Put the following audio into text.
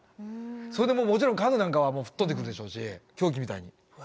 それでもうもちろん家具なんかは吹っ飛んでくるでしょうし凶器みたいに。